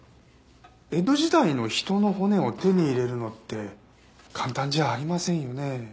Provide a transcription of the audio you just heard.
江戸時代の人の骨を手に入れるのって簡単じゃありませんよね？